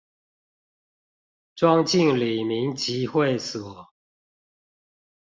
莊敬里民集會所